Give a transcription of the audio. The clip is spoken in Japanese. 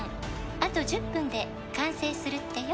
あと１０分で完成するってよ」